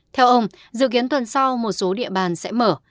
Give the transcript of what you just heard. theo ông dự kiến tuần sau một số địa bàn sẽ mở